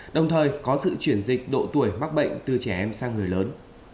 đồng thời có sự chuyển dịch độ tuổi mắc bệnh từ trẻ em sang người lớn